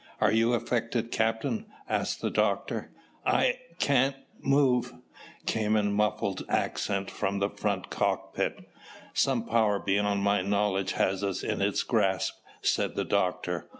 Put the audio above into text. "Are you affected, Captain?" asked the Doctor. "I can't move," came in muffled accents from the front cockpit. "Some power beyond my knowledge has us in its grasp," said the doctor.